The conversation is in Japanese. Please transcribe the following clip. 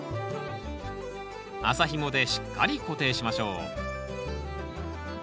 麻ひもでしっかり固定しましょう。